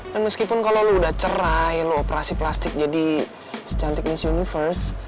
dan meskipun kalau lo udah cerai lo operasi plastik jadi secantik miss universe